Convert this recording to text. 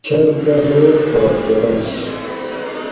شردہ روغ پا کرۤنش